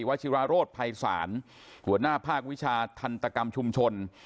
ชิราโรธภัยศาลหัวหน้าภาควิชาทันตกรรมชุมชน